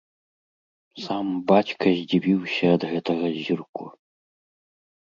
Сам бацька здзівіўся ад гэтага зірку.